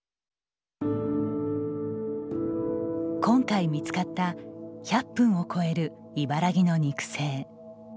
今回見つかった１００分を超える茨木の肉声。